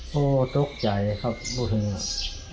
พ่อตกใจครับลูกขึ้นมา